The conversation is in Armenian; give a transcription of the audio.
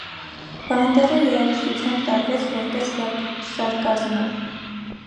Վանդերը երաժշտությամբ տարվեց որպես «հրապուրիչ սարկազմով»։